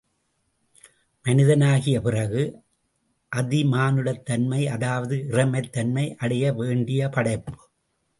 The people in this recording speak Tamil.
மனிதனாகிய பிறகு, அதி மானுடத் தன்மை அதாவது இறைமைத் தன்மை அடைய வேண்டிய படைப்பு!